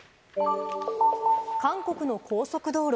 韓国の高速道路。